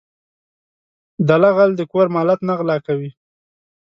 دله غل د کور مالت نه غلا کوي .